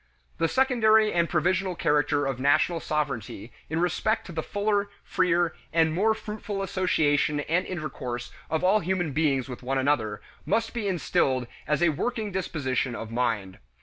The secondary and provisional character of national sovereignty in respect to the fuller, freer, and more fruitful association and intercourse of all human beings with one another must be instilled as a working disposition of mind.